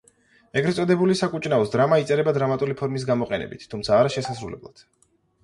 ეგრეთ წოდებული „საკუჭნაოს დრამა“ იწერება დრამატული ფორმის გამოყენებით, თუმცა არა შესასრულებლად.